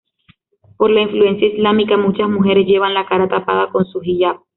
Por la influencia islámica, muchas mujeres llevan la cara tapada con su Hiyab.